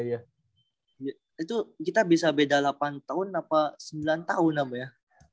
itu kita bisa beda delapan tahun apa sembilan tahun apa ya